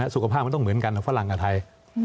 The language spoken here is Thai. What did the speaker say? สุขภาพมันต้องเหมือนกันฝรั่งกับไทย